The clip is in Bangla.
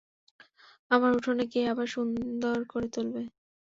আমার উঠোন কে আবার সুন্দর করে তুলবে।